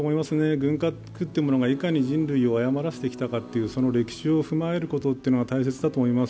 軍拡というのがいかに人類を誤らせてきたかその歴史を踏まえることが大切だと思います。